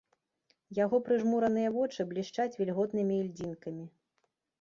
Яго прыжмураныя вочы блішчаць вільготнымі ільдзінкамі.